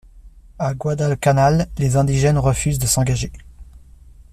A Guadalcanal, les indigènes refusent de s'engager.